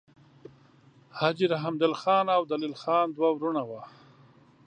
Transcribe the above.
حاجي رحمدل خان او دلیل خان دوه وړونه وه.